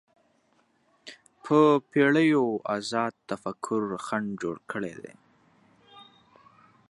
په پېړیو ازاد تفکر خنډ جوړ کړی دی